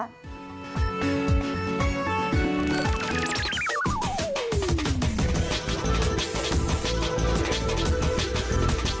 สวัสดีครับ